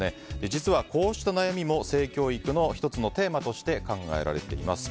実はこうした悩みも性教育の１つのテーマとして考えられています。